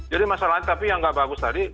jadi masalahnya tapi yang tidak bagus tadi